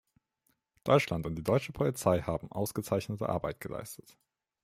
Deutschland und die deutsche Polizei haben ausgezeichnete Arbeit geleistet.